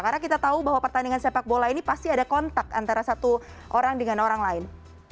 karena kita tahu bahwa pertandingan sepak bola ini pasti ada kontak antara satu orang dengan orang lain